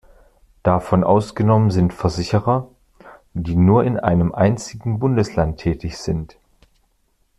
Davon ausgenommen sind Versicherer, die nur in einem einzigen Bundesland tätig sind.